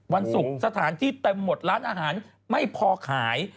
วันศุกร์สถานที่เต็มหมดร้านอาหารไม่พอขาย